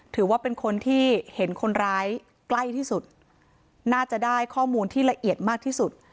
ถือว่าเป็นคนที่เห็นคนร้ายใกล้ที่สุดน่าจะได้ข้อมูลที่ละเอียดมากที่สุด